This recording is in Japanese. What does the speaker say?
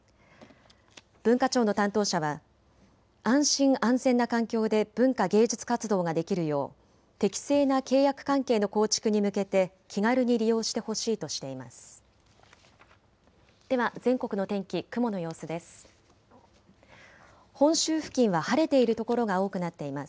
文化庁の担当者は安心・安全な環境で文化・芸術活動ができるよう適正な契約関係の構築に向けて気軽に利用してほしいとしています。